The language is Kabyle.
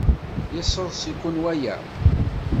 Yesseḍs-iken waya?